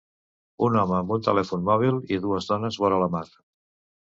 Un home amb un telèfon mòbil i dues dones vora la mar